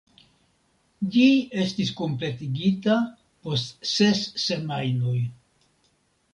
Ĝi estis kompletigita post ses semajnoj.